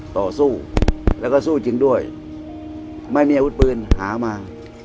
ต่อสู้แล้วก็สู้จริงด้วยไม่มีอาวุธปืนหามา